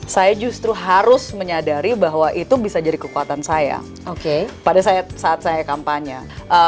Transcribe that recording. saya justru harus menyadari bahwa itu bisa jadi kekuatan saya pada saat saya kampanye